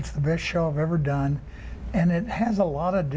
ที่คิดว่านี่คือโลกใหม่ที่คุณก็ได้